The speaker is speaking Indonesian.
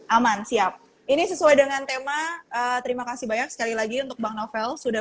aman siap ini sesuai dengan tema terima kasih banyak sekali lagi untuk bang novel sudah